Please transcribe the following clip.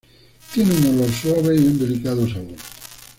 Tiene un olor suave y un delicado sabor.